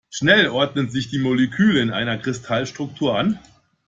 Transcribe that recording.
Schnell ordnen sich die Moleküle in einer Kristallstruktur an.